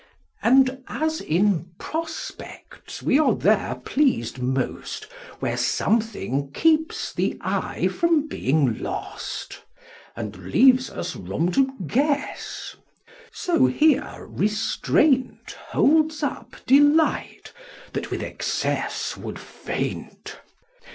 And as in Prospects we are there pleased most Where something keeps the Eye from being lost, And leaves us Room to guess ; so here Restraint Holds up Delight that with Excess would faint.